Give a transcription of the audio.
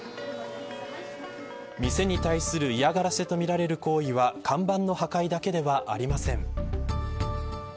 店に対する嫌がらせとみられる行為は看板の破壊だけではありません。